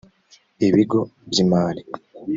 ibigo by’imari